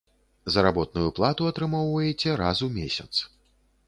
Заработную плату атрымоўваеце раз у месяц.